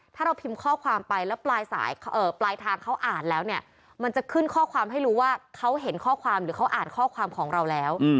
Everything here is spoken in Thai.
ถ้าเราพิมพ์ข้อความไปแล้วปลายทางเขาอ่านแล้วเนี่ยมันจะขึ้นข้อความให้รู้ว่าเขาเห็นข้อความหรือเขาอ่านข้อความของเราแล้ว